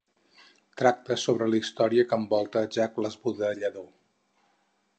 Tracta sobre la història que envolta Jack l'Esbudellador.